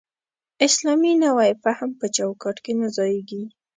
اسلامي نوی فهم په چوکاټ کې نه ځایېږي.